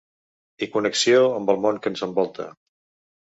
I connexió amb el món que ens envolta.